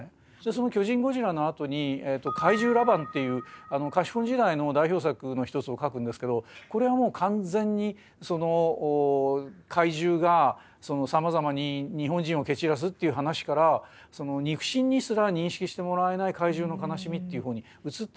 その「巨人ゴジラ」のあとに「怪獣ラバン」っていう貸本時代の代表作の一つを描くんですけどこれはもう完全にその怪獣がさまざまに日本人を蹴散らすっていう話から肉親にすら認識してもらえない怪獣の悲しみっていう方に移っていくんですね。